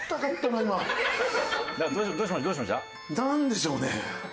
なんでしょうね？